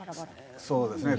そうですね。